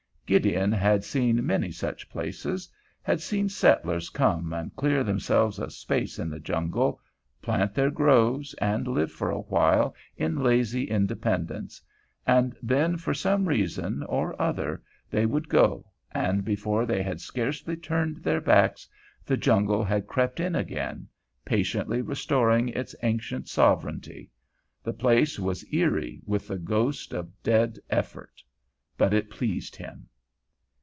Gideon had seen many such places, had seen settlers come and clear themselves a space in the jungle, plant their groves, and live for a while in lazy independence; and then for some reason or other they would go, and before they had scarcely turned their backs, the jungle had crept in again, patiently restoring its ancient sovereignty. The place was eery with the ghost of dead effort; but it pleased him.